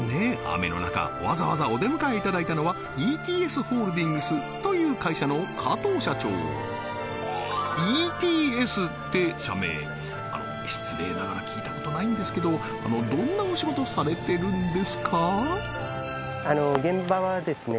雨の中わざわざお出迎えいただいたのはＥＴＳホールディングスという会社の加藤社長ＥＴＳって社名あの失礼ながら聞いたことないんですけどどんなお仕事されてるんですか？